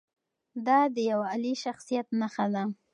دا د یوه عالي شخصیت نښه ده.